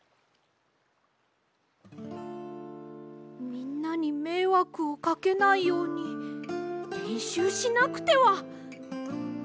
みんなにめいわくをかけないようにれんしゅうしなくては！